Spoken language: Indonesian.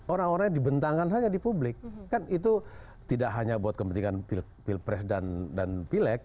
orang orang di bentangan hanya di publik kan itu tidak hanya buat kepentingan pilpres dan dan pilek